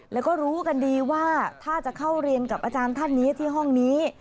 แล้วก็รู้กันดีว่าถ้าจะเข้าเรียนกับอาจารย์ท่านนี้ที่ห้องนี้